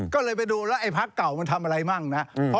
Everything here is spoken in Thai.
ก็เลยไปดูแล้วไอ้พักเก่ามันทำอะไรมั่งนะครับ